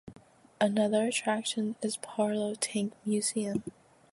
Another attraction is Parola Tank Museum.